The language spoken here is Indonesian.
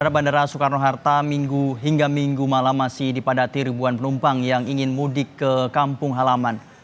bandara soekarno hatta hingga minggu malam masih dipadati ribuan penumpang yang ingin mudik ke kampung halaman